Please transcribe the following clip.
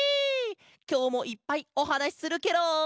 きょうもいっぱいおはなしするケロ！